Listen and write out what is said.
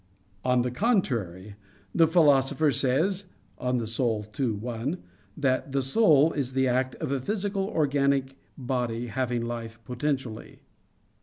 On the contrary, The Philosopher says (De Anima ii, 1), that "the soul is the act of a physical organic body having life potentially."